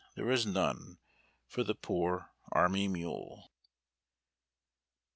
there is none for the ' poor army umle.'